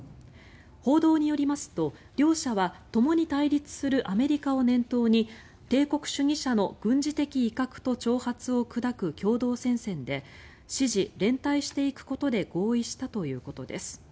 報道によりますと、両者はともに対立するアメリカを念頭に帝国主義者の軍事的威嚇と挑発を砕く共同戦線で支持・連帯していくことで合意したということです。